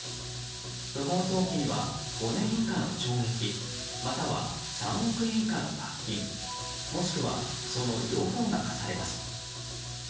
不法投棄には５年以下の懲役または３億円以下の罰金もしくはその両方が科されます。